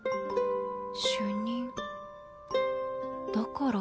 主任だから